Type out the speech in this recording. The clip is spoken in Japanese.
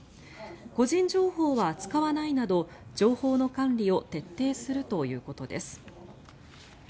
個人情報は扱わないなど情報の管理を徹底するということです。